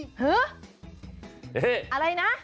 ฮืออะไรนะ